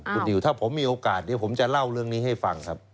คุณนิวถ้าผมมีโอกาสเดี๋ยวผมจะเล่าเรื่องนี้ให้ฟังครับ